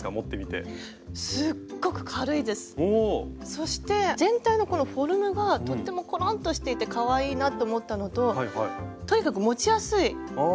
そして全体のこのフォルムがとってもコロンとしていてかわいいなって思ったのととにかく持ちやすいですね。